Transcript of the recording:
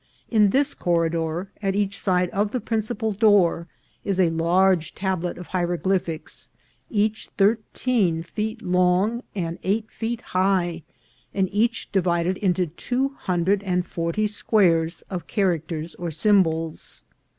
In this corridor, on each side of the principal door, is a large tablet of hieroglyphics, each thirteen feet long and eight feet high, and each divided into two hundred and forty squares of characters or symbols.